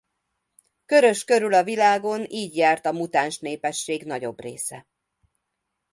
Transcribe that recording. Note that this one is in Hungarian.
Körös körül a világon így járt a mutáns népesség nagyobb része.